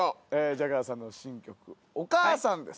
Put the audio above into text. ジャガーさんの新曲『お母さん』です。